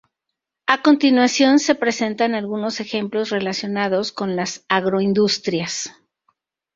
A continuación se presentan algunos ejemplos relacionados con las agroindustrias.